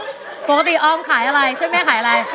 ปกติออมขายอะไรช่วยแม่ขายอะไร